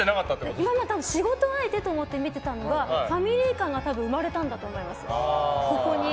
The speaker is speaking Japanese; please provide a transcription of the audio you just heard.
今まで仕事相手と思って見ていたのがファミリー感が生まれたんだと思います。